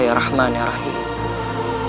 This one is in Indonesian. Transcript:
ya rahman ya rahim